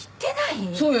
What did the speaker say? そうよ。